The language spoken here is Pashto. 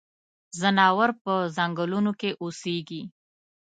ځناور پۀ ځنګلونو کې اوسيږي.